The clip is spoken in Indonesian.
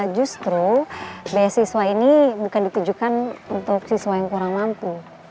justru beasiswa ini bukan ditujukan untuk siswa yang kurang mampu